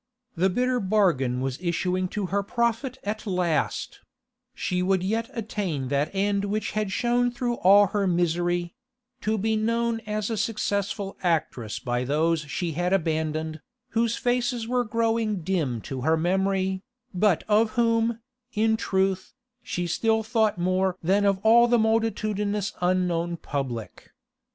The bitter bargain was issuing to her profit at last; she would yet attain that end which had shone through all her misery—to be known as a successful actress by those she had abandoned, whose faces were growing dim to her memory, but of whom, in truth, she still thought more than of all the multitudinous unknown public.